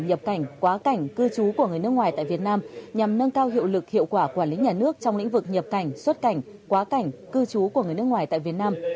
nhập cảnh quá cảnh cư trú của người nước ngoài tại việt nam nhằm nâng cao hiệu lực hiệu quả quản lý nhà nước trong lĩnh vực nhập cảnh xuất cảnh quá cảnh cư trú của người nước ngoài tại việt nam